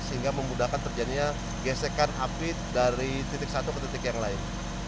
sehingga memudahkan terjadinya gesekan api dari titik satu ke titik yang lain